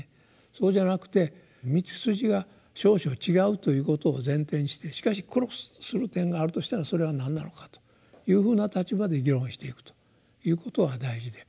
そうじゃなくて道筋が少々違うということを前提にしてしかしクロスする点があるとしたらそれは何なのかというふうな立場で議論をしていくということが大事で。